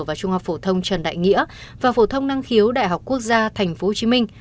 và trung học phổ thông trần đại nghĩa và phổ thông năng khiếu đại học quốc gia tp hcm